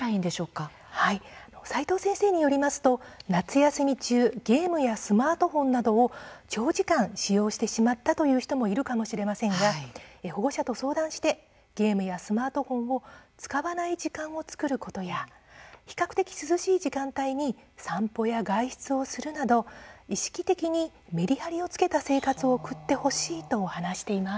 北海道教育大学大学院の齋藤准教授によりますと夏休み中、ゲームやスマートフォンなどを長時間使用してしまったという人もいるかもしれませんが保護者と相談してゲームやスマートフォンを使わない時間を作ることや比較的、涼しい時間帯に散歩や外出をするなど意識的にメリハリをつけた生活を送ってほしいと話しています。